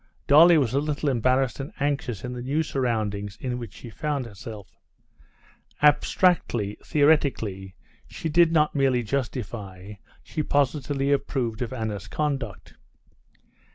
Dolly was a little embarrassed and anxious in the new surroundings in which she found herself. Abstractly, theoretically, she did not merely justify, she positively approved of Anna's conduct.